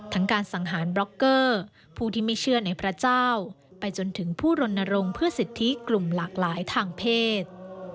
การสังหารบล็อกเกอร์ผู้ที่ไม่เชื่อในพระเจ้าไปจนถึงผู้รณรงค์เพื่อสิทธิกลุ่มหลากหลายทางเพศ